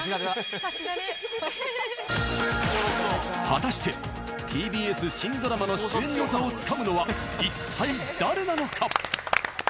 果たしてＴＢＳ新ドラマの主演の座をつかむのは一体誰なのか？